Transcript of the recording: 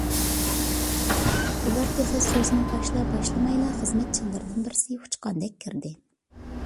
ئۇلار تېخى سۆزىنى باشلا - باشلىمايلا خىزمەتچىلىرىدىن بىرسى ئۇچقاندەك كىردى.